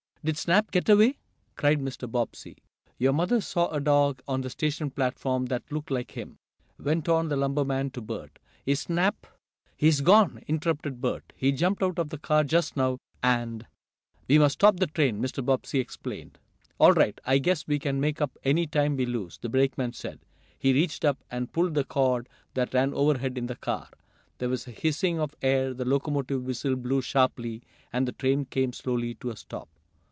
"Did Snap get away?" cried Mr. Bobbsey. "Your mother saw a dog on the station platform that looked like him," went on the lumber man to Bert. "Is Snap " "He's gone!" interrupted Bert. "He jumped out of the car just now, and " "We must stop the train!" Mr. Bobbsey explained. "All right, I guess we can make up any time we lose," the brakeman said. He reached up and pulled the cord that ran overhead in the car. There was a hissing of air, the locomotive whistle blew sharply, and the train came slowly to a stop.